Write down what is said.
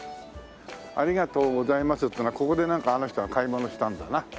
「ありがとうございます」っていうのはここでなんかあの人が買い物したんだな。